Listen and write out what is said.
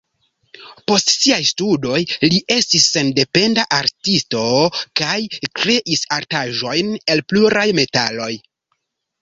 Post siaj studoj li estis sendependa artisto kaj kreis artaĵojn el pluraj metaloj.